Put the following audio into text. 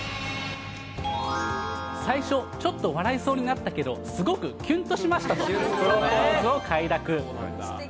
最初、ちょっと笑いそうになったけど、すごくキュンとしましたと、プロポーズを快諾。